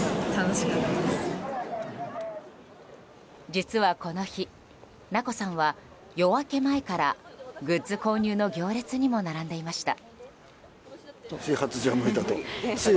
実はこの日、菜子さんは夜明け前からグッズ購入の行列にも並んでいました。